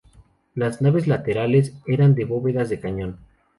Las naves laterales eran de bóvedas de cañón.